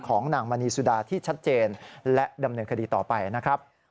ของนางมณีสุดาที่ชัดเจนและดำเนินคดีต่อไปนะครับ